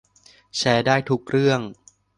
แชร์ได้ทุกเรื่อง